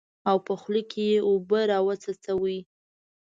او په خوله کې اوبه راوڅڅوي.